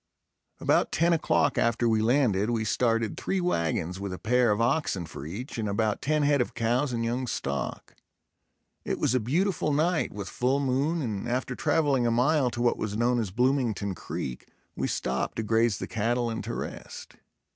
About ten o'clock after we landed, we started three wagons with a pair of oxen for each and about ten head of cows and young stock. It was a beautiful night, with full moon and after traveling a mile to what was known as Bloomington Creek, we stopped to graze the cattle and to rest.